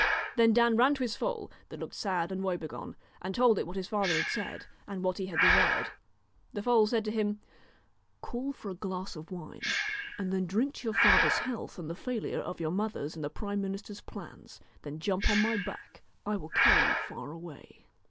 Then Dan ran to his foal, that looked sad and woebegone, and told it what his father had said, and what he had desired. The foal said to him :' Call for a glass of wine, and drink to your father's health and the failure of your mother's and the prime minister's plans; then jump on my back, I will carry you far away.'